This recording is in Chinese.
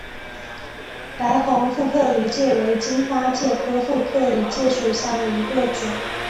白虹副克里介为荆花介科副克里介属下的一个种。